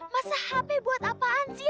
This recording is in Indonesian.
masa happy buat apaan sih